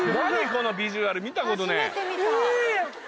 このビジュアル見たことねえ。